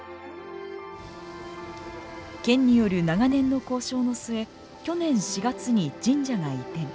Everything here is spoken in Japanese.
県による長年の交渉の末去年４月に神社が移転。